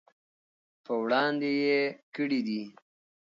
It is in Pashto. په وړاندې یې کړي دي.